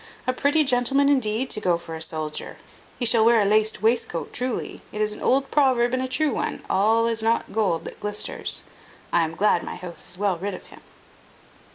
A pretty gentleman, indeed, to go for a soldier! He shall wear a laced wastecoat truly. It is an old proverb and a true one, all is not gold that glisters. I am glad my house is well rid of him."